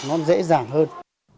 nó dễ dàng hơn